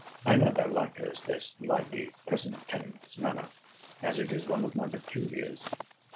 I know thou likest this lively present tense manner, as it is one of my peculiars.